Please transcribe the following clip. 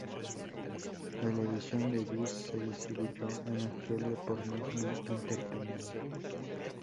El edición de Viz se distribuyó en Australia por Madman Entertainment.